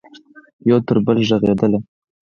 یو تربله ږغیدله